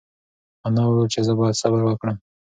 انا وویل چې زه باید صبر وکړم.